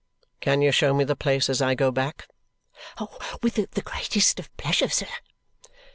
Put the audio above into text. "Can you show me the place as I go back?" "With the greatest pleasure, sir!"